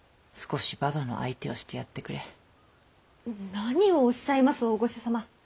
何をおっしゃいます大御所様。